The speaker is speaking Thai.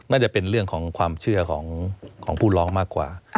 น่าจะเป็นเรื่องของความเชื่อของผู้ร้องมากกว่า